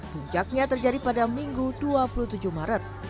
puncaknya terjadi pada minggu dua puluh tujuh maret